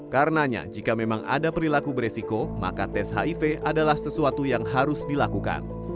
karenanya jika memang ada perilaku beresiko maka tes hiv adalah sesuatu yang harus dilakukan